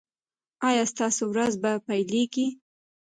ایا ستاسو ورځ به پیلیږي؟